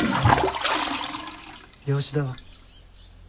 養子だわ。